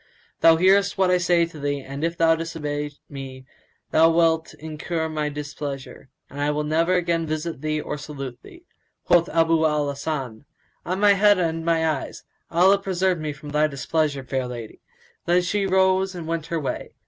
Thou hearest what I say to thee and, if thou disobey me, thou wilt incur my displeasure and I will never again visit thee or salute thee." Quoth Abu al Hasan, "On my head and my eyes: Allah preserve me from thy displeasure, fair lady!" Then she rose and went her way.